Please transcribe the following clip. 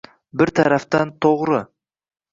Bir tarafdan to‘g‘ri.